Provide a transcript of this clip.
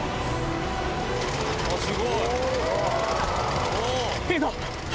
すごい！